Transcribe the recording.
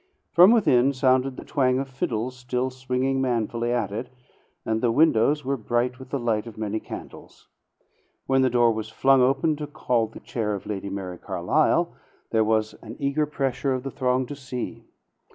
From within sounded the twang of fiddles still swinging manfully at it, and the windows were bright with the light of many candles. When the door was flung open to call the chair of Lady Mary Carlisle, there was an eager pressure of the throng to see.